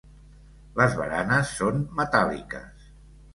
Les baranes són metàl·liques.